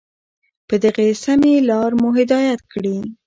په دغي سمي لار مو هدايت كړې